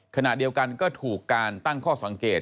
ขณะเดียวกันก็ถูกการตั้งข้อสังเกต